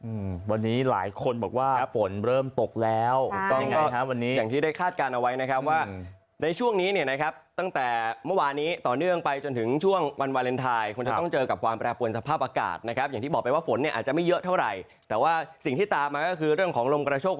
อืมวันนี้หลายคนบอกว่าฝนเริ่มตกแล้วถูกต้องยังไงครับวันนี้อย่างที่ได้คาดการณ์เอาไว้นะครับว่าในช่วงนี้เนี่ยนะครับตั้งแต่เมื่อวานนี้ต่อเนื่องไปจนถึงช่วงวันวาเลนไทยคงจะต้องเจอกับความแปรปวนสภาพอากาศนะครับอย่างที่บอกไปว่าฝนเนี่ยอาจจะไม่เยอะเท่าไหร่แต่ว่าสิ่งที่ตามมาก็คือเรื่องของลมกระโชค